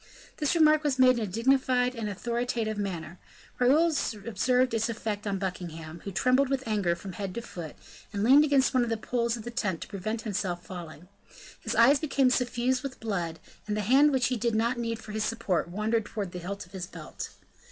This remark was made in a dignified and authoritative manner. Raoul observed its effect upon Buckingham, who trembled with anger from head to foot, and leaned against one of the poles of the tent to prevent himself falling; his eyes became suffused with blood, and the hand which he did not need for his support wandered towards the hilt of his sword.